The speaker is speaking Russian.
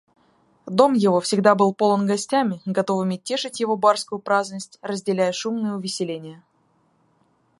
Дом его всегда был полон гостями, готовыми тешить его барскую праздность, разделяя шумные увеселения.